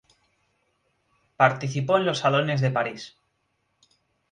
Participó en los salones de París.